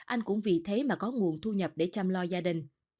anh cũng vì thế mà có nguồn thu nhập để chăm lo gia đình